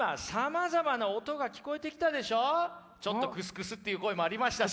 ちょっとクスクスっていう声もありましたし。